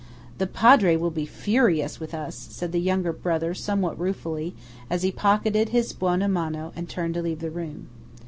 "The Padre will be furious with us," said the younger brother somewhat ruefully, as he pocketed his buona mano and turned to leave the room.